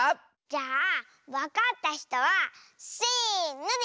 じゃあわかったひとはせのでいおう。